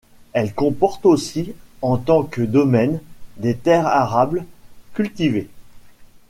Elle comporte aussi, en tant que domaine, des terres arables, cultivées.